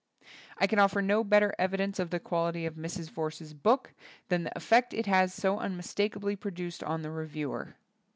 I can offer no better evidence of the quality of Mrs. Vorse's book than the effect it has so unmistakably produced on the reviewer.